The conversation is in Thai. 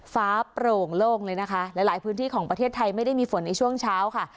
ฟ้าโปร่งโล่งเลยนะคะหลายหลายพื้นที่ของประเทศไทยไม่ได้มีฝนในช่วงเช้าค่ะ